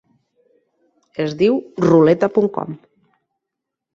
Es diu ruleta.com.